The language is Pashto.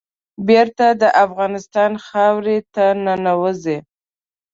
بېرته د افغانستان خاورې ته ننوزو.